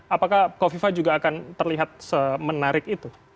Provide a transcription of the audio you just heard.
apakah kofifa juga akan terlihat semenarik itu